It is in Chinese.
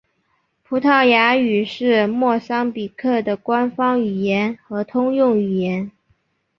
葡萄牙语是莫桑比克的官方语言和通用语言。